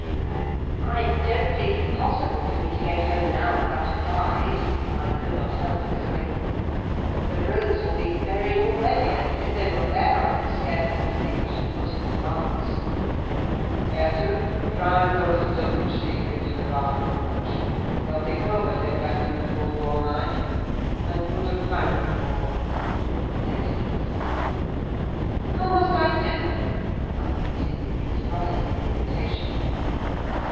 "I don't think it possible for me to get home now without a guide," I could not help exclaiming. "The roads will be buried already; and, if they were bare, I could scarcely distinguish a foot in advance." "Hareton, drive those dozen sheep into the barn porch. They'll be covered if left in the fold all night: and put a plank before them," said Heathcliff. "How must I do?" I continued, with rising irritation.